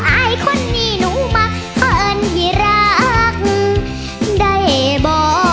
ไอ้คนนี้หนูมาเผื่อเอิญให้รักได้บ่